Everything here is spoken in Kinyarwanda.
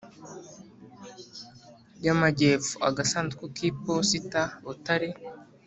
Y Amajyepfo Agasanduku K Iposita Butare